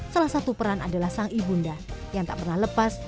salah satu peran adalah sang ibunda yang tak pernah lepas